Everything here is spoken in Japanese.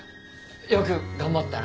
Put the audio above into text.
よく頑張ったな。